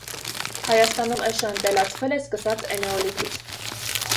Հայաստանում էշը ընտելացվել է սկսած էնեոլիթից։